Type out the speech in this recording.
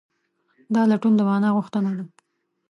دا لټون د مانا غوښتنه ده.